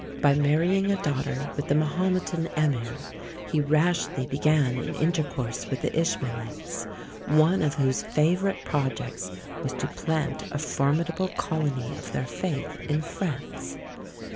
By marrying a daughter with a Mahometan emir, he rashly began an intercourse with the Ishmaelites, one of whose favourite projects was to plant a formidable colony of their faith in France.